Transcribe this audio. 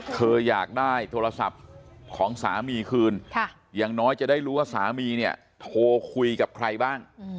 อยากได้โทรศัพท์ของสามีคืนอย่างน้อยจะได้รู้ว่าสามีเนี่ยโทรคุยกับใครบ้าง